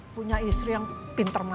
punya istri yang pinter